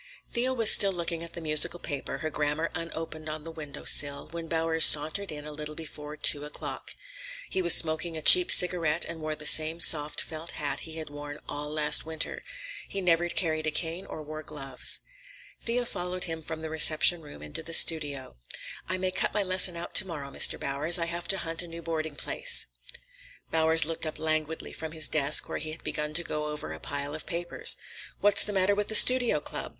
Thea was still looking at the musical paper, her grammar unopened on the window sill, when Bowers sauntered in a little before two o'clock. He was smoking a cheap cigarette and wore the same soft felt hat he had worn all last winter. He never carried a cane or wore gloves. Thea followed him from the reception room into the studio. "I may cut my lesson out to morrow, Mr. Bowers. I have to hunt a new boarding place." Bowers looked up languidly from his desk where he had begun to go over a pile of letters. "What's the matter with the Studio Club?